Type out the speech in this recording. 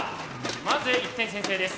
まず１点先制です。